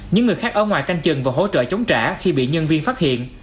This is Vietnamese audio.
những người khác ở ngoài canh chừng và hỗ trợ chống trả khi bị nhân viên phát hiện